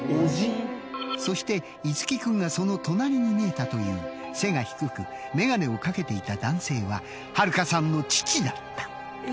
そして樹君がその隣に見えたという背が低く眼鏡を掛けていた男性は春香さんの父だった。